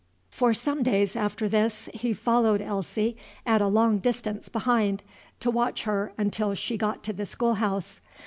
For some days after this he followed Elsie at a long distance behind, to watch her until she got to the schoolhouse.